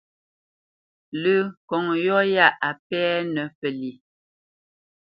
Lə́ ŋkɔŋ yɔ̂ yá a pɛ́nə́ pə́lye: